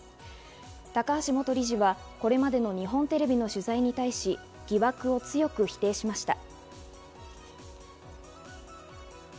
高橋元理事はこれまでの日本テレビの取材に対し、疑惑を強く否定しました。